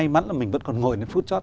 may mắn là mình vẫn còn ngồi đến phút chót